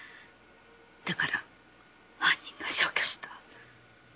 だから犯人が消去した。